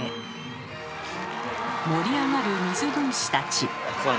盛り上がる水分子たち。